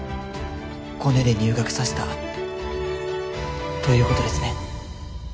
コネで入学させたということですね？